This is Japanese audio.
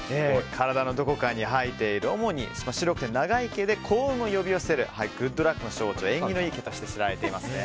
体のどこかに生えている主に白くて長い毛で幸運を呼び寄せるグッドラックの象徴縁起のいい毛として知られています。